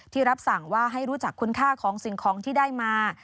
รับสั่งว่าให้รู้จักคุณค่าของสิ่งของที่ได้มา